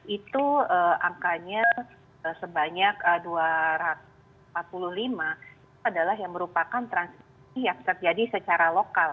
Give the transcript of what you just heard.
itu angkanya sebanyak dua ratus empat puluh lima itu adalah yang merupakan transisi yang terjadi secara lokal